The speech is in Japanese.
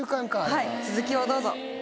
はい続きをどうぞ。